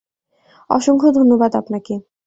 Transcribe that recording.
অসংখ্য ধন্যবাদ, আপনাকে।